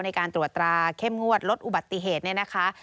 ในการตรวจตราเข้มงวดลดอุบัติเหตุเนี่ยนะคะ